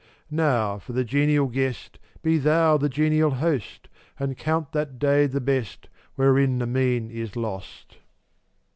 Now, for the genial guest Be thou the genial host And count that day the best Wherein the mean is lost.